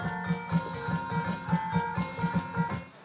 menjadi persembahan bagi kawah brom